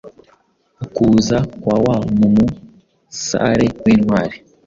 ukuza kwawamumusare wintwari